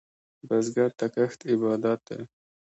بزګر ته کښت عبادت دی